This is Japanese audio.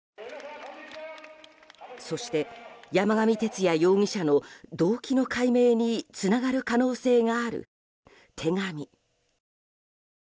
そして、山上徹也容疑者の動機の解明につながる可能性がある手紙。